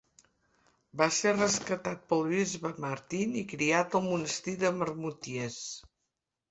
Va ser rescatat pel bisbe Martin i criat al monestir de Marmoutiers.